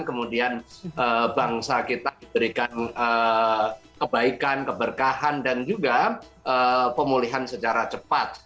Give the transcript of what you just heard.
kemudian bangsa kita diberikan kebaikan keberkahan dan juga pemulihan secara cepat